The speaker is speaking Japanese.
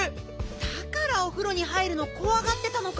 だからおふろに入るのこわがってたのか。